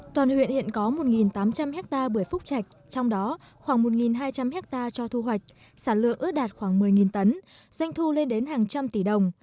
toàn huyện hiện có một tám trăm linh hectare bưởi phúc trạch trong đó khoảng một hai trăm linh hectare cho thu hoạch sản lượng ước đạt khoảng một mươi tấn doanh thu lên đến hàng trăm tỷ đồng